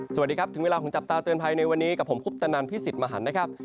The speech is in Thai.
สวัสดีครับถึงเวลาของจับตาเตือนภัยในวันนี้กับผมคุปตนันพี่สิทธิ์มหันนะครับ